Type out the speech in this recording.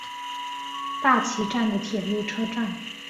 大崎站的铁路车站。